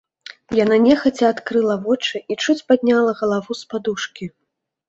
Яна нехаця адкрыла вочы і чуць падняла галаву з падушкі.